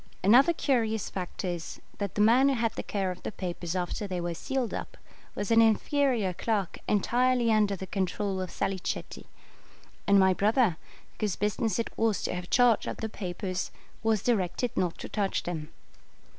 Another curious fact is, that the man who had the care of the papers after they were sealed up was an inferior clerk entirely under the control of Salicetti; and my brother, whose business it was to have charge of the papers, was directed not to touch them.